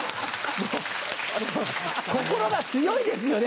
心が強いですよね